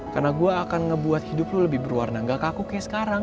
karena gue akan ngebuat hidup lo lebih berwarna gak kaku kayak sekarang